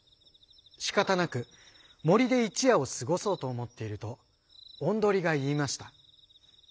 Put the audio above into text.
しかたなくもりでいちやをすごそうとおもっているとオンドリがいいました。